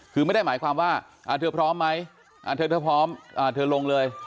คือไม่ได้หมายความว่าเธอพร้อมไหมเธอพร้อมเธอลงเลย